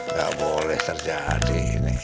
nggak boleh terjadi